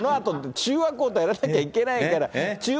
中和抗体やらなきゃいけないから。